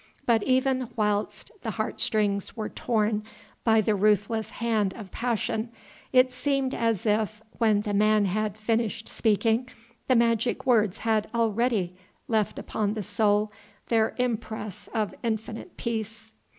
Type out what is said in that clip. But even whilst the heartstrings were torn by the ruthless hand of passion, it seemed as if when the man had finished speaking the magic words had already left upon the soul their impress of infinite peace.